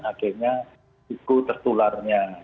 akhirnya ikut tertularnya